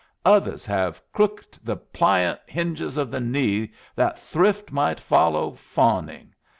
Others have crooked the pliant hinges of the knee that thrift might follow fawning.